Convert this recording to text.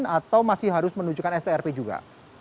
atau masih harus menunjukkan strp juga